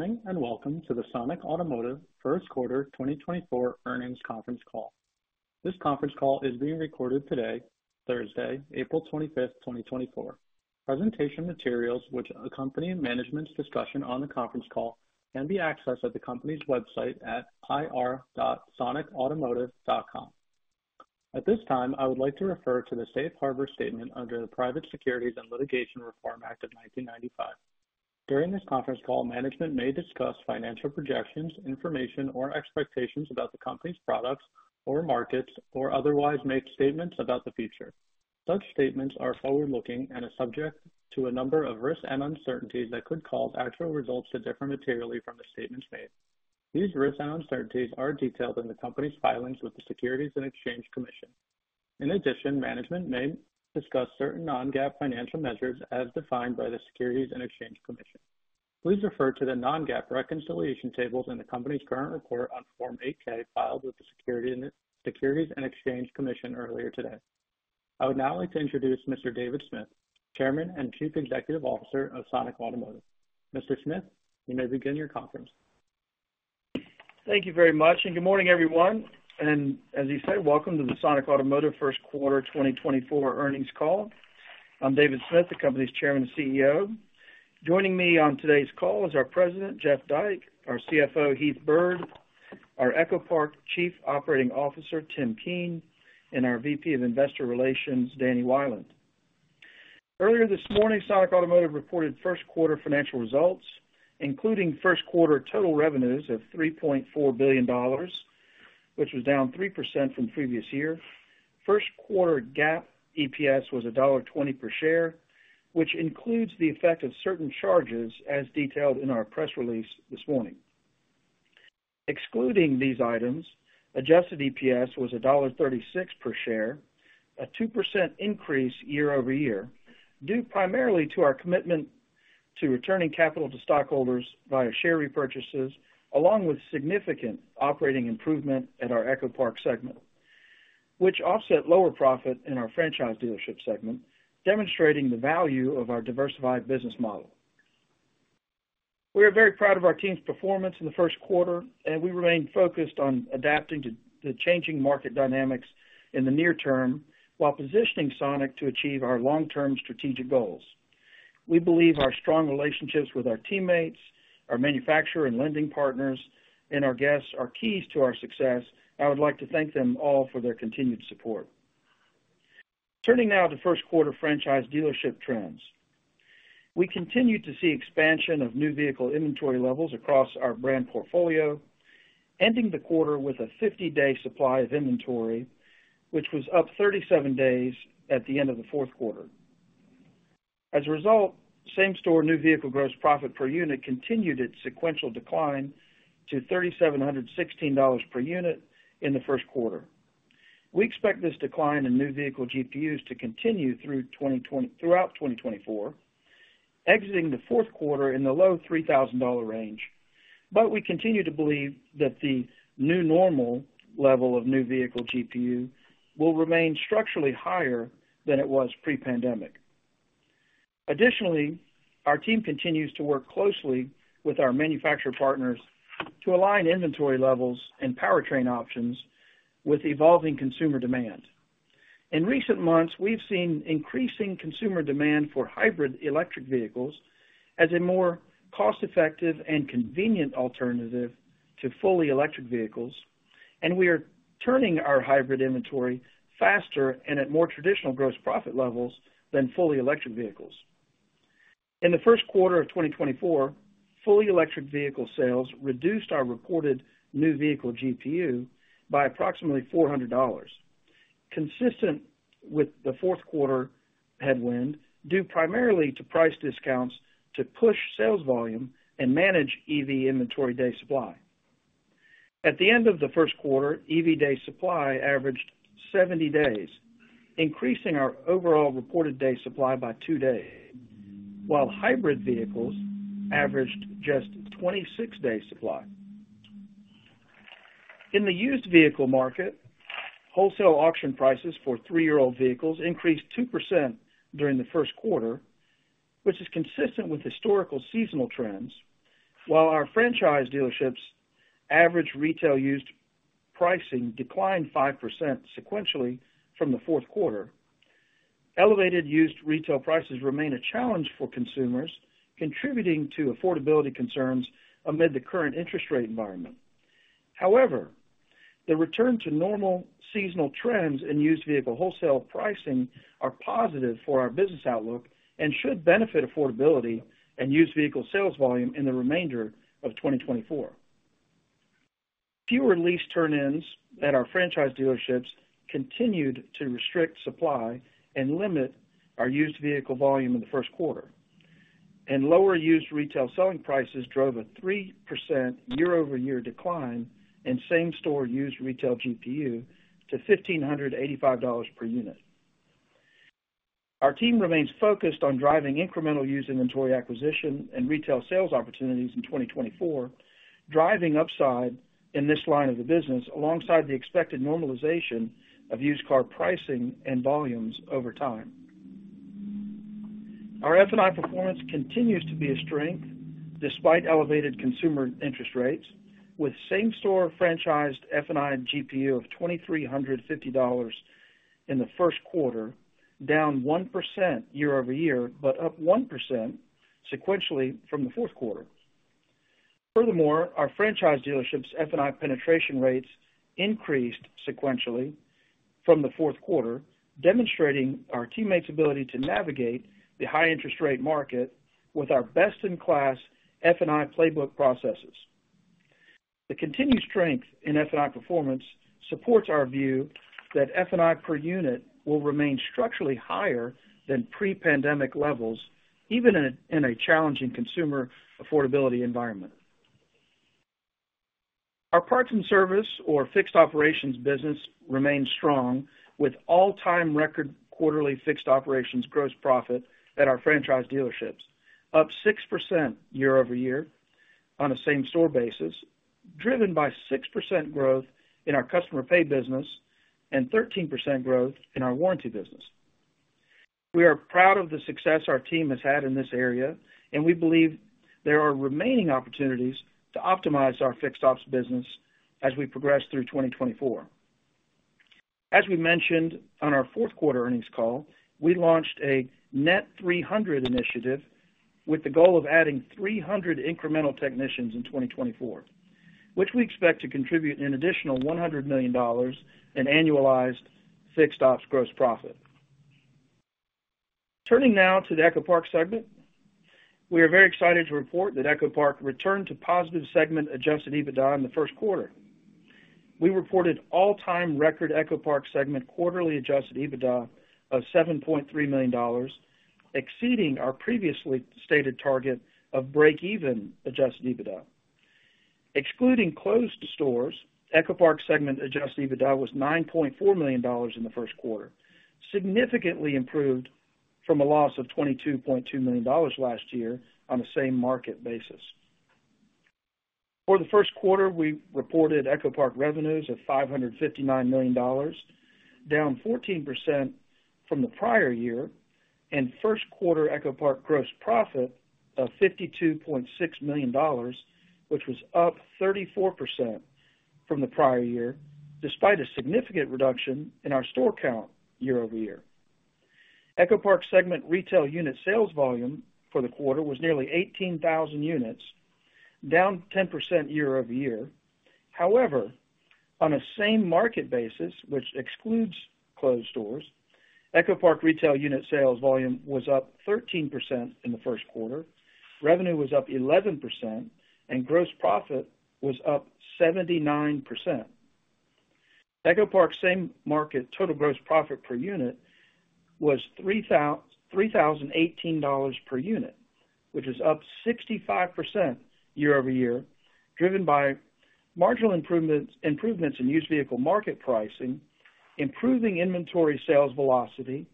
Good morning, and welcome to the Sonic Automotive First Quarter 2024 Earnings Conference Call. This conference call is being recorded today, Thursday, April 25, 2024. Presentation materials which accompany management's discussion on the conference call can be accessed at the company's website at ir.sonicautomotive.com. At this time, I would like to refer to the Safe Harbor statement under the Private Securities Litigation Reform Act of 1995. During this conference call, management may discuss financial projections, information, or expectations about the company's products or markets, or otherwise make statements about the future. Such statements are forward-looking and are subject to a number of risks and uncertainties that could cause actual results to differ materially from the statements made. These risks and uncertainties are detailed in the company's filings with the Securities and Exchange Commission. In addition, management may discuss certain non-GAAP financial measures as defined by the Securities and Exchange Commission. Please refer to the non-GAAP reconciliation tables in the company's current report on Form 8-K, filed with the Securities and Exchange Commission earlier today. I would now like to introduce Mr. David Smith, Chairman and Chief Executive Officer of Sonic Automotive. Mr. Smith, you may begin your conference. Thank you very much, and good morning, everyone. And as you said, welcome to the Sonic Automotive first quarter 2024 earnings call. I'm David Smith, the company's Chairman and CEO. Joining me on today's call is our President, Jeff Dyke, our CFO, Heath Byrd, our EchoPark Chief Operating Officer, Tim Keen, and our VP of Investor Relations, Danny Wieland. Earlier this morning, Sonic Automotive reported first quarter financial results, including first quarter total revenues of $3.4 billion, which was down 3% from the previous year. First quarter GAAP EPS was $1.20 per share, which includes the effect of certain charges as detailed in our press release this morning. Excluding these items, adjusted EPS was $1.36 per share, a 2% increase year-over-year, due primarily to our commitment to returning capital to stockholders via share repurchases, along with significant operating improvement at our EchoPark segment, which offset lower profit in our franchise dealership segment, demonstrating the value of our diversified business model. We are very proud of our team's performance in the first quarter, and we remain focused on adapting to the changing market dynamics in the near term, while positioning Sonic to achieve our long-term strategic goals. We believe our strong relationships with our teammates, our manufacturer and lending partners, and our guests are keys to our success. I would like to thank them all for their continued support. Turning now to first quarter franchise dealership trends. We continued to see expansion of new vehicle inventory levels across our brand portfolio, ending the quarter with a 50-day supply of inventory, which was up 37 days at the end of the fourth quarter. As a result, same-store new vehicle gross profit per unit continued its sequential decline to $3,716 per unit in the first quarter. We expect this decline in new vehicle GPUs to continue throughout 2024, exiting the fourth quarter in the low $3,000 range. But we continue to believe that the new normal level of new vehicle GPU will remain structurally higher than it was pre-pandemic. Additionally, our team continues to work closely with our manufacturer partners to align inventory levels and powertrain options with evolving consumer demand. In recent months, we've seen increasing consumer demand for hybrid electric vehicles as a more cost-effective and convenient alternative to fully electric vehicles, and we are turning our hybrid inventory faster and at more traditional gross profit levels than fully electric vehicles. In the first quarter of 2024, fully electric vehicle sales reduced our reported new vehicle GPU by approximately $400, consistent with the fourth quarter headwind, due primarily to price discounts to push sales volume and manage EV inventory day supply. At the end of the first quarter, EV day supply averaged 70 days, increasing our overall reported day supply by 2 days, while hybrid vehicles averaged just 26 days supply. In the used vehicle market, wholesale auction prices for three-year-old vehicles increased 2% during the first quarter, which is consistent with historical seasonal trends, while our franchise dealerships average retail used pricing declined 5% sequentially from the fourth quarter. Elevated used retail prices remain a challenge for consumers, contributing to affordability concerns amid the current interest rate environment. However, the return to normal seasonal trends in used vehicle wholesale pricing are positive for our business outlook and should benefit affordability and used vehicle sales volume in the remainder of 2024. Fewer lease turn-ins at our franchise dealerships continued to restrict supply and limit our used vehicle volume in the first quarter, and lower used retail selling prices drove a 3% year-over-year decline in same-store used retail GPU to $1,585 per unit. Our team remains focused on driving incremental used inventory acquisition and retail sales opportunities in 2024, driving upside in this line of the business, alongside the expected normalization of used car pricing and volumes over time. Our F&I performance continues to be a strength despite elevated consumer interest rates, with same-store franchised F&I GPU of $2,350 in the first quarter, down 1% year-over-year, but up 1% sequentially from the fourth quarter. Furthermore, our franchise dealerships F&I penetration rates increased sequentially from the fourth quarter, demonstrating our teammates' ability to navigate the high interest rate market with our best-in-class F&I playbook processes. The continued strength in F&I performance supports our view that F&I per unit will remain structurally higher than pre-pandemic levels, even in a challenging consumer affordability environment. Our parts and service, or fixed operations business, remains strong, with all-time record quarterly fixed operations gross profit at our franchise dealerships, up 6% year-over-year on a same store basis, driven by 6% growth in our customer pay business and 13% growth in our warranty business. We are proud of the success our team has had in this area, and we believe there are remaining opportunities to optimize our fixed ops business as we progress through 2024. As we mentioned on our fourth quarter earnings call, we launched a Net 300 initiative with the goal of adding 300 incremental technicians in 2024, which we expect to contribute an additional $100 million in annualized fixed ops gross profit. Turning now to the EchoPark segment. We are very excited to report that EchoPark returned to positive segment adjusted EBITDA in the first quarter. We reported all-time record EchoPark segment quarterly Adjusted EBITDA of $7.3 million, exceeding our previously stated target of break-even Adjusted EBITDA. Excluding closed stores, EchoPark segment Adjusted EBITDA was $9.4 million in the first quarter, significantly improved from a loss of $22.2 million last year on the same market basis. For the first quarter, we reported EchoPark revenues of $559 million, down 14% from the prior year, and first quarter EchoPark gross profit of $52.6 million, which was up 34% from the prior year, despite a significant reduction in our store count year-over-year. EchoPark segment retail unit sales volume for the quarter was nearly 18,000 units, down 10% year-over-year. However, on a same market basis, which excludes closed stores, EchoPark retail unit sales volume was up 13% in the first quarter, revenue was up 11%, and gross profit was up 79%. EchoPark's same market total gross profit per unit was $3,018 per unit, which is up 65% year-over-year, driven by marginal improvements in used vehicle market pricing, improving inventory sales velocity,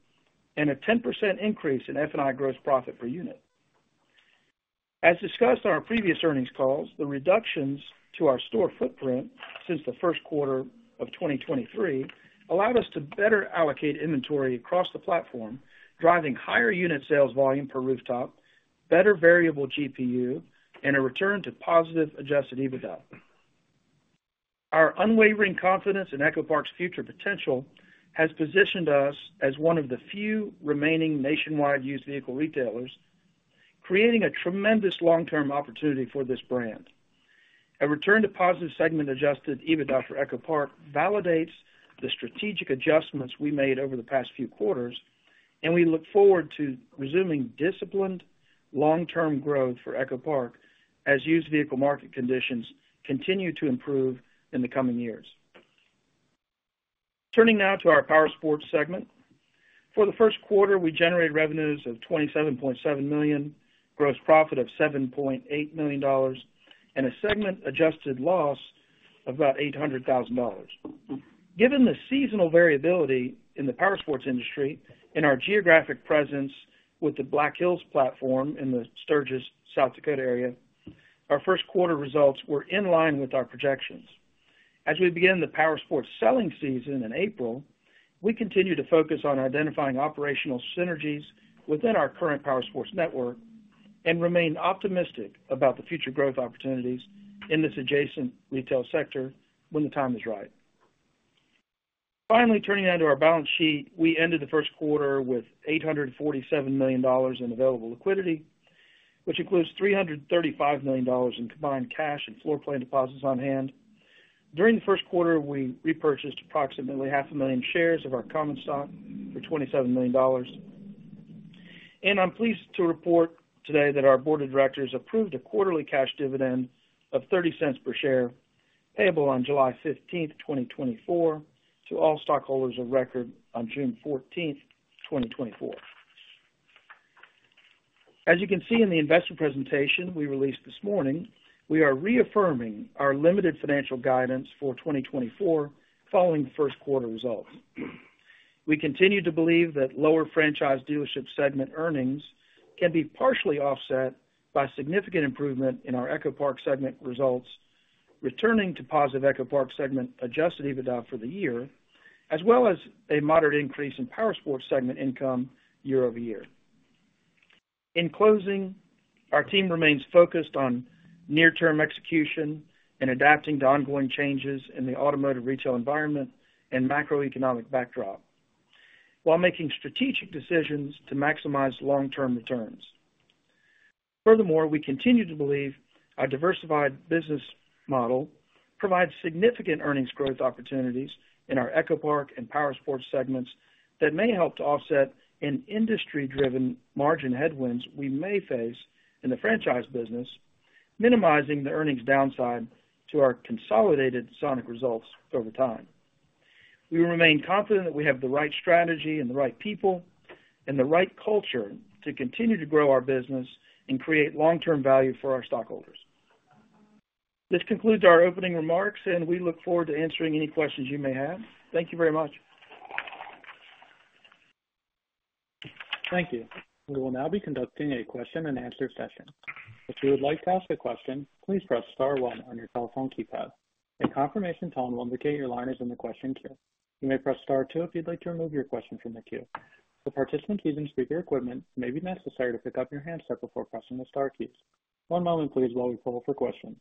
and a 10% increase in F&I gross profit per unit. As discussed on our previous earnings calls, the reductions to our store footprint since the first quarter of 2023 allowed us to better allocate inventory across the platform, driving higher unit sales volume per rooftop, better variable GPU, and a return to positive adjusted EBITDA. Our unwavering confidence in EchoPark's future potential has positioned us as one of the few remaining nationwide used vehicle retailers, creating a tremendous long-term opportunity for this brand. A return to positive segment Adjusted EBITDA for EchoPark validates the strategic adjustments we made over the past few quarters, and we look forward to resuming disciplined long-term growth for EchoPark as used vehicle market conditions continue to improve in the coming years. Turning now to our Powersports segment. For the first quarter, we generated revenues of $27.7 million, gross profit of $7.8 million, and a segment adjusted loss of about $800,000. Given the seasonal variability in the Powersports industry and our geographic presence with the Black Hills platform in the Sturgis, South Dakota area, our first quarter results were in line with our projections. As we begin the Powersports selling season in April, we continue to focus on identifying operational synergies within our current Powersports network and remain optimistic about the future growth opportunities in this adjacent retail sector when the time is right. Finally, turning now to our balance sheet. We ended the first quarter with $847 million in available liquidity, which includes $335 million in combined cash and floorplan deposits on hand. During the first quarter, we repurchased approximately 500,000 shares of our common stock for $27 million. And I'm pleased to report today that our board of directors approved a quarterly cash dividend of $0.30 per share, payable on July 15, 2024, to all stockholders of record on June 14, 2024. As you can see in the investor presentation we released this morning, we are reaffirming our limited financial guidance for 2024 following the first quarter results. We continue to believe that lower franchise dealership segment earnings can be partially offset by significant improvement in our EchoPark segment results returning to positive EchoPark segment, adjusted EBITDA for the year, as well as a moderate increase in Powersports segment income year-over-year. In closing, our team remains focused on near-term execution and adapting to ongoing changes in the automotive retail environment and macroeconomic backdrop, while making strategic decisions to maximize long-term returns. Furthermore, we continue to believe our diversified business model provides significant earnings growth opportunities in our EchoPark and Powersports segments that may help to offset an industry-driven margin headwinds we may face in the franchise business, minimizing the earnings downside to our consolidated Sonic results over time. We remain confident that we have the right strategy and the right people and the right culture to continue to grow our business and create long-term value for our stockholders. This concludes our opening remarks, and we look forward to answering any questions you may have. Thank you very much. Thank you. We will now be conducting a question-and-answer session. If you would like to ask a question, please press star one on your telephone keypad. A confirmation tone will indicate your line is in the question queue. You may press star two if you'd like to remove your question from the queue. For participant using speaker equipment, it may be necessary to pick up your handset before pressing the star keys. One moment please, while we pull for questions.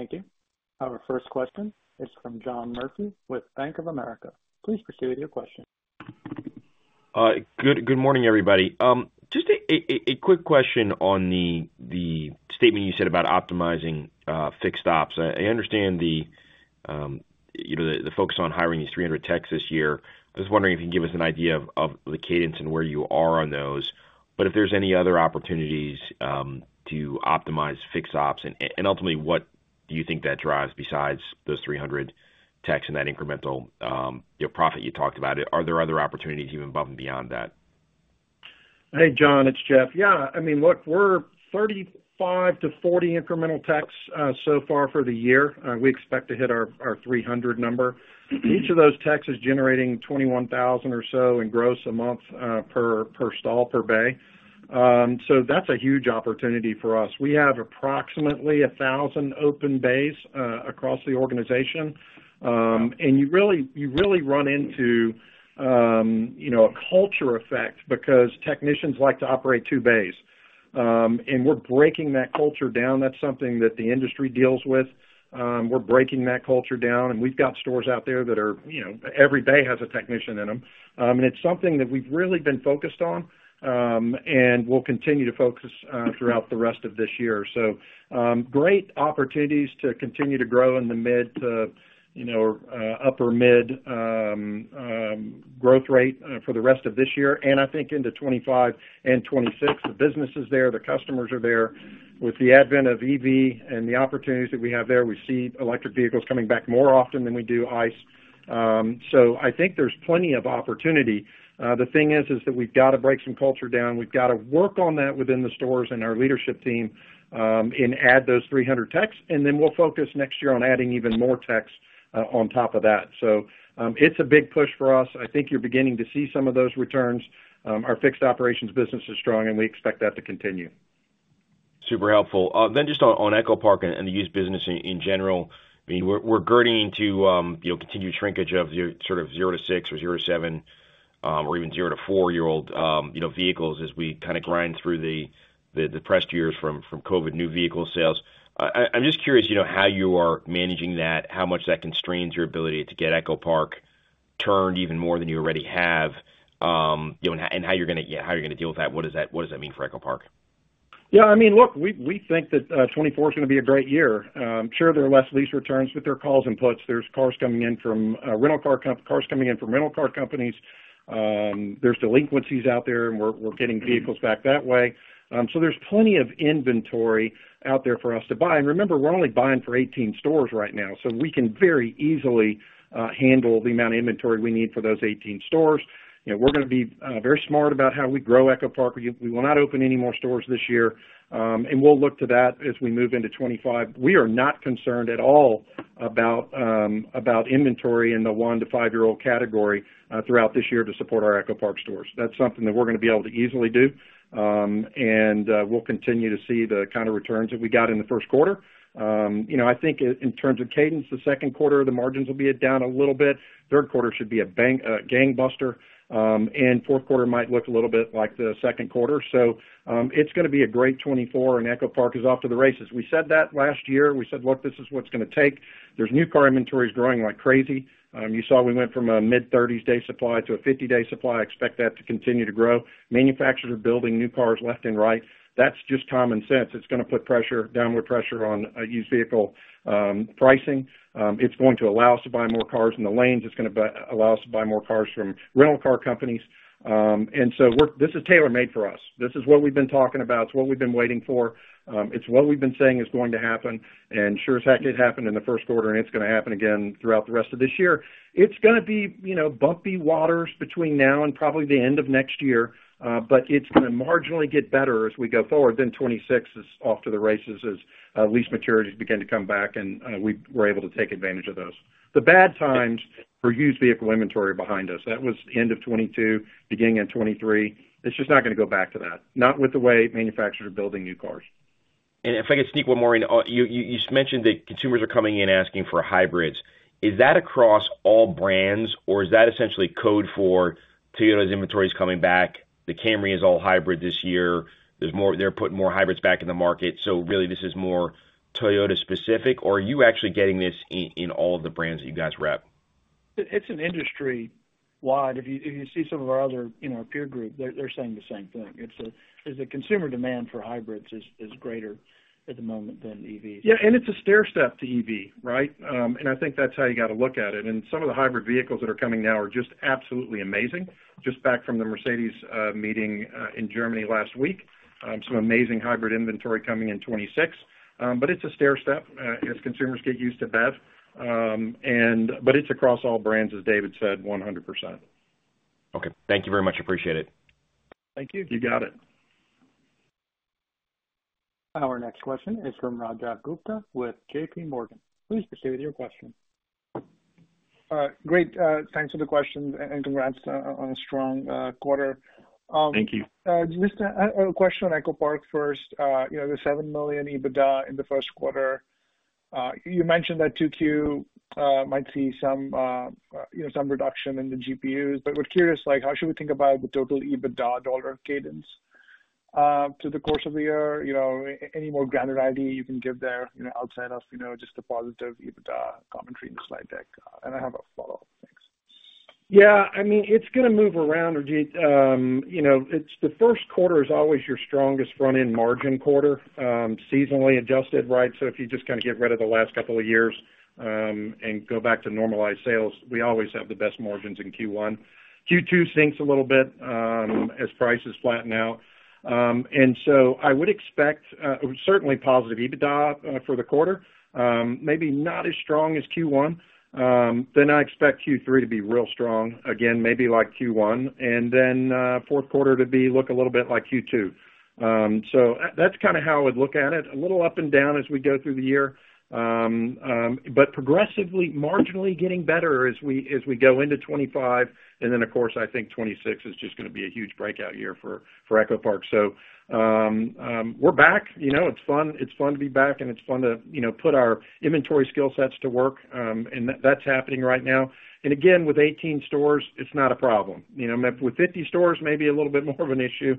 Thank you. Our first question is from John Murphy with Bank of America. Please proceed with your question. Good morning, everybody. Just a quick question on the statement you said about optimizing fixed ops. I understand you know the focus on hiring these 300 techs this year. I was wondering if you can give us an idea of the cadence and where you are on those, but if there's any other opportunities to optimize fixed ops, and ultimately, what do you think that drives besides those 300 techs and that incremental you know profit you talked about? Are there other opportunities even above and beyond that? Hey, John, it's Jeff. Yeah, I mean, look, we're 35-40 incremental techs so far for the year. We expect to hit our 300 number. Each of those techs is generating $21,000 or so in gross a month per stall, per bay. So that's a huge opportunity for us. We have approximately 1,000 open bays across the organization. And you really, you really run into you know, a culture effect because technicians like to operate 2 bays. And we're breaking that culture down. That's something that the industry deals with. We're breaking that culture down, and we've got stores out there that are you know, every bay has a technician in them. And it's something that we've really been focused on, and we'll continue to focus throughout the rest of this year. So, great opportunities to continue to grow in the mid to, you know, upper mid, growth rate, for the rest of this year, and I think into 25 and 26. The business is there, the customers are there. With the advent of EV and the opportunities that we have there, we see electric vehicles coming back more often than we do ICE. So I think there's plenty of opportunity. The thing is that we've got to break some culture down. We've got to work on that within the stores and our leadership team, and add those 300 techs, and then we'll focus next year on adding even more techs, on top of that. So, it's a big push for us. I think you're beginning to see some of those returns. Our fixed operations business is strong, and we expect that to continue. Super helpful. Then just on, on EchoPark and the used business in, in general, I mean, we're, we're girding to, you know, continue shrinkage of your sort of 0-6 or 0-7, or even 0-4-year-old, you know, vehicles as we kind of grind through the, the depressed years from, from COVID new vehicle sales. I'm just curious, you know, how you are managing that, how much that constrains your ability to get EchoPark turned even more than you already have, you know, and how you're gonna-- How you're gonna deal with that? What does that, what does that mean for EchoPark? Yeah, I mean, look, we think that 2024 is gonna be a great year. Sure, there are less lease returns, but there are calls and puts. There are cars coming in from rental car companies. There are delinquencies out there, and we're getting vehicles back that way. So there's plenty of inventory out there for us to buy. And remember, we're only buying for 18 stores right now, so we can very easily handle the amount of inventory we need for those 18 stores. You know, we're gonna be very smart about how we grow EchoPark. We will not open any more stores this year, and we'll look to that as we move into 2025. We are not concerned at all about inventory in the 1-5-year-old category throughout this year to support our EchoPark stores. That's something that we're gonna be able to easily do. We'll continue to see the kind of returns that we got in the first quarter. You know, I think in terms of cadence, the second quarter, the margins will be down a little bit. Third quarter should be a gangbuster, and fourth quarter might look a little bit like the second quarter. So, it's gonna be a great 2024, and EchoPark is off to the races. We said that last year. We said: Look, this is what it's gonna take. There's new car inventories growing like crazy. You saw we went from a mid-30s day supply to a 50-day supply. I expect that to continue to grow. Manufacturers are building new cars left and right. That's just common sense. It's gonna put pressure, downward pressure on used vehicle pricing. It's going to allow us to buy more cars in the lanes. It's gonna allow us to buy more cars from rental car companies. And so we're, this is tailor-made for us. This is what we've been talking about. It's what we've been waiting for. It's what we've been saying is going to happen, and sure as heck, it happened in the first quarter, and it's gonna happen again throughout the rest of this year. It's gonna be, you know, bumpy waters between now and probably the end of next year, but it's gonna marginally get better as we go forward. Then 2026 is off to the races as lease maturities begin to come back and we were able to take advantage of those. The bad times for used vehicle inventory are behind us. That was end of 2022, beginning in 2023. It's just not gonna go back to that, not with the way manufacturers are building new cars. If I could sneak one more in, you just mentioned that consumers are coming in asking for hybrids. Is that across all brands, or is that essentially code for Toyota's inventory is coming back? The Camry is all hybrid this year. There's more, they're putting more hybrids back in the market, so really, this is more Toyota specific, or are you actually getting this in all of the brands that you guys rep? It's an industry-wide. If you see some of our other, you know, peer group, they're saying the same thing. It's the consumer demand for hybrids is greater at the moment than EVs. Yeah, and it's a stairstep to EV, right? And I think that's how you gotta look at it. And some of the hybrid vehicles that are coming now are just absolutely amazing. Just back from the Mercedes meeting in Germany last week, some amazing hybrid inventory coming in 2026. But it's a stairstep as consumers get used to BEV, and But it's across all brands, as David said, 100%. Okay. Thank you very much. Appreciate it. Thank you. You got it. Our next question is from Rajat Gupta with J.P. Morgan. Please proceed with your question. Great. Thanks for the question, and congrats on a strong quarter. Thank you. Just a question on EchoPark first. You know, the $7 million EBITDA in the first quarter. You mentioned that 2Q might see some, you know, some reduction in the GPUs. But we're curious, like, how should we think about the total EBITDA dollar cadence through the course of the year? You know, any more guided idea you can give there, you know, outside of, you know, just the positive EBITDA commentary in the slide deck? And I have a follow-up. Thanks. Yeah, I mean, it's gonna move around, Rajat. You know, it's the first quarter is always your strongest front-end margin quarter, seasonally adjusted, right? So if you just kind of get rid of the last couple of years, and go back to normalized sales, we always have the best margins in Q1. Q2 sinks a little bit, as prices flatten out. And so I would expect, certainly positive EBITDA, for the quarter, maybe not as strong as Q1. Then I expect Q3 to be real strong, again, maybe like Q1, and then, fourth quarter to be, look a little bit like Q2. So that's kind of how I would look at it, a little up and down as we go through the year. But progressively, marginally getting better as we, as we go into 2025. And then, of course, I think 2026 is just gonna be a huge breakout year for EchoPark. So, we're back, you know, it's fun, it's fun to be back, and it's fun to, you know, put our inventory skill sets to work, and that's happening right now. And again, with 18 stores, it's not a problem. You know, with 50 stores, maybe a little bit more of an issue,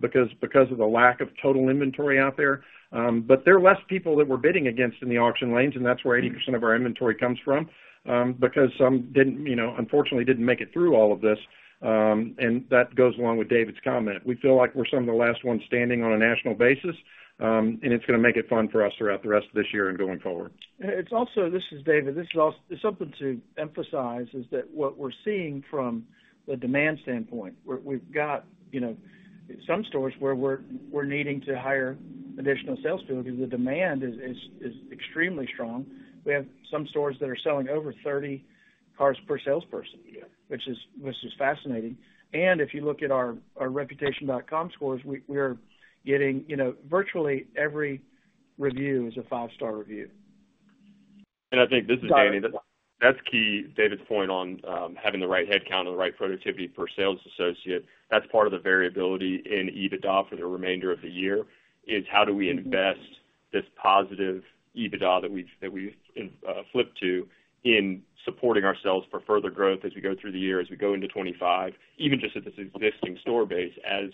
because of the lack of total inventory out there. But there are less people that we're bidding against in the auction lanes, and that's where 80% of our inventory comes from, because some didn't, you know, unfortunately, didn't make it through all of this, and that goes along with David's comment. We feel like we're some of the last ones standing on a national basis, and it's gonna make it fun for us throughout the rest of this year and going forward. This is David. This is also something to emphasize, is that what we're seeing from the demand standpoint, we've got, you know, some stores where we're needing to hire additional sales people because the demand is extremely strong. We have some stores that are selling over 30 cars per salesperson— Yeah. which is fascinating. And if you look at our Reputation.com scores, we are getting, you know, virtually every review is a five-star review. I think— Got it. This is Danny. That's key, David's point on having the right headcount or the right productivity per sales associate. That's part of the variability in EBITDA for the remainder of the year, is how do we invest this positive EBITDA that we've flipped to in supporting ourselves for further growth as we go through the year, as we go into 2025, even just at this existing store base, as,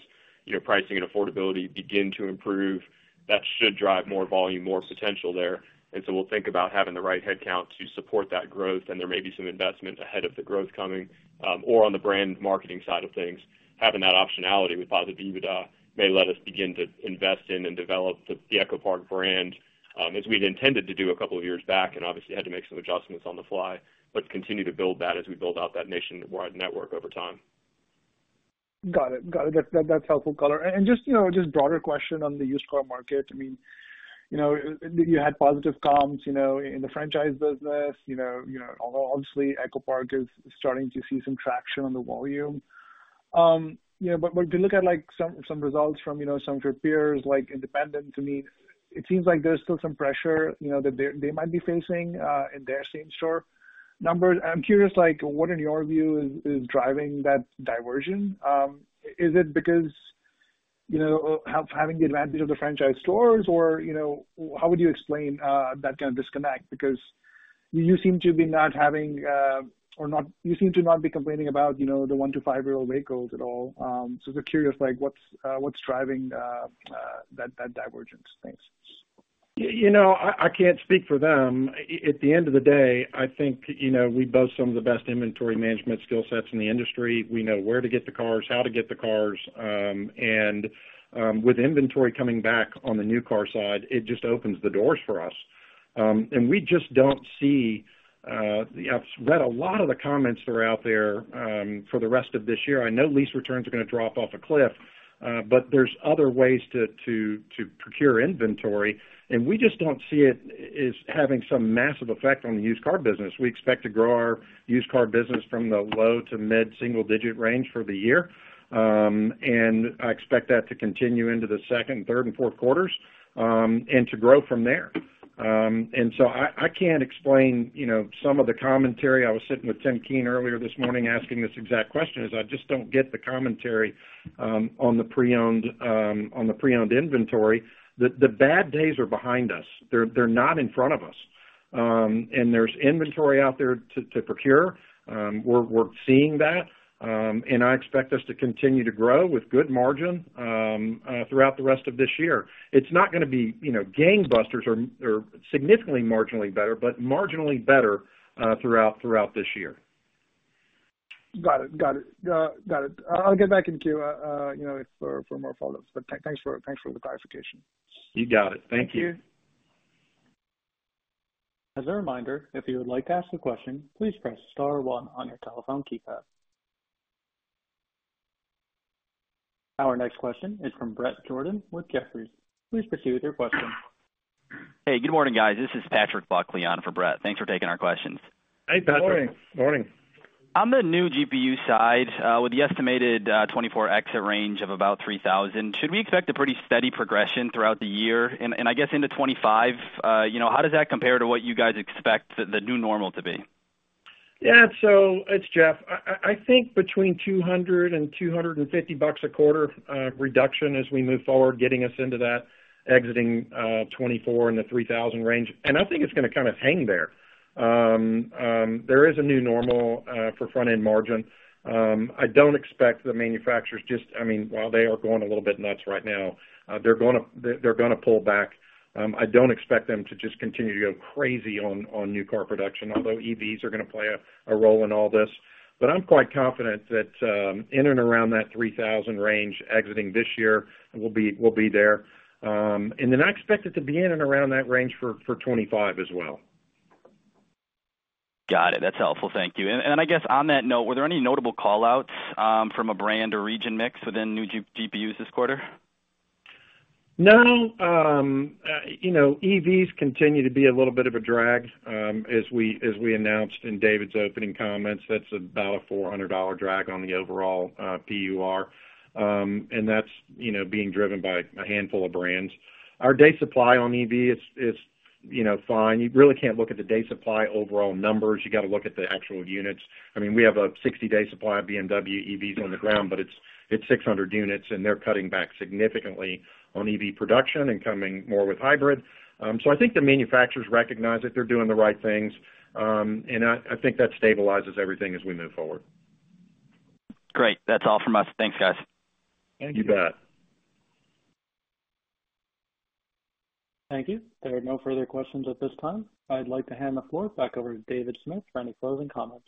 you know, pricing and affordability begin to improve, that should drive more volume, more potential there. And so we'll think about having the right headcount to support that growth, and there may be some investment ahead of the growth coming, or on the brand marketing side of things. Having that optionality with positive EBITDA may let us begin to invest in and develop the EchoPark brand, as we'd intended to do a couple of years back, and obviously had to make some adjustments on the fly, but continue to build that as we build out that nationwide network over time. Got it. Got it. That's, that's helpful color. And just, you know, just broader question on the used car market. I mean, you know, you had positive comms, you know, in the franchise business, you know, you know, obviously, EchoPark is starting to see some traction on the volume. Yeah, but when you look at, like, some, some results from, you know, some of your peers, like independent, to me, it seems like there's still some pressure, you know, that they, they might be facing in their same store numbers. I'm curious, like, what in your view is, is driving that diversion? Is it because, you know, having the advantage of the franchise stores, or, you know, how would you explain that kind of disconnect? Because you seem to be not having, or not—you seem to not be complaining about, you know, the 1- to 5-year-old vehicles at all. So just curious, like, what's driving that divergence? Thanks. You know, I can't speak for them. At the end of the day, I think, you know, we boast some of the best inventory management skill sets in the industry. We know where to get the cars, how to get the cars, and with inventory coming back on the new car side, it just opens the doors for us. And we just don't see, I've read a lot of the comments that are out there for the rest of this year. I know lease returns are gonna drop off a cliff, but there's other ways to procure inventory, and we just don't see it as having some massive effect on the used car business. We expect to grow our used car business from the low to mid-single digit range for the year. And I expect that to continue into the second, third, and fourth quarters, and to grow from there. And so I can't explain, you know, some of the commentary. I was sitting with Tim Keane earlier this morning asking this exact question, I just don't get the commentary on the pre-owned inventory. The bad days are behind us. They're not in front of us. And there's inventory out there to procure. We're seeing that, and I expect us to continue to grow with good margin throughout the rest of this year. It's not gonna be, you know, gangbusters or significantly marginally better, but marginally better throughout this year. Got it. Got it. Got it. I'll get back in queue, you know, for, for more follow-up. But thanks for, thanks for the clarification. You got it. Thank you. Thank you. As a reminder, if you would like to ask a question, please press star one on your telephone keypad. Our next question is from Brett Jordan with Jefferies. Please proceed with your question. Hey, good morning, guys. This is Patrick Buckley on for Brett. Thanks for taking our questions. Hey, Patrick. Good morning. Morning. On the new GPU side, with the estimated 2024 exit range of about 3,000, should we expect a pretty steady progression throughout the year? And I guess into 2025, you know, how does that compare to what you guys expect the new normal to be? Yeah, so it's Jeff. I think between $200 and $250 a quarter reduction as we move forward, getting us into that exiting 2024 in the $3,000 range, and I think it's gonna kind of hang there. There is a new normal for front-end margin. I don't expect the manufacturers just... I mean, while they are going a little bit nuts right now, they're gonna pull back. I don't expect them to just continue to go crazy on new car production, although EVs are gonna play a role in all this. But I'm quite confident that in and around that $3,000 range exiting this year, we'll be there. And then I expect it to be in and around that range for 2025 as well. Got it. That's helpful. Thank you. And I guess, on that note, were there any notable call-outs from a brand or region mix within new GPUs this quarter? No. You know, EVs continue to be a little bit of a drag, as we, as we announced in David's opening comments. That's about a $400 drag on the overall, GPU. And that's, you know, being driven by a handful of brands. Our day supply on EV is, is, you know, fine. You really can't look at the day supply overall numbers. You got to look at the actual units. I mean, we have a 60-day supply of BMW EVs on the ground, but it's, it's 600 units, and they're cutting back significantly on EV production and coming more with hybrid. So I think the manufacturers recognize that they're doing the right things, and I, I think that stabilizes everything as we move forward. Great. That's all from us. Thanks, guys. Thank you. You bet. Thank you. There are no further questions at this time. I'd like to hand the floor back over to David Smith for any closing comments.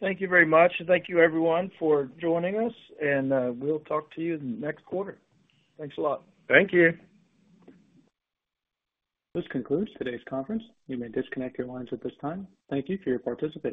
Thank you very much, and thank you, everyone, for joining us, and we'll talk to you next quarter. Thanks a lot. Thank you. This concludes today's conference. You may disconnect your lines at this time. Thank you for your participation.